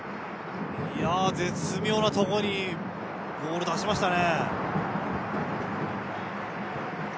絶妙なところにボールを出しましたね。